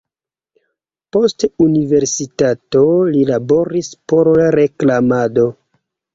Post universitato li laboris por reklamado.